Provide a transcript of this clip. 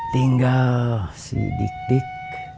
tinggal si dik dik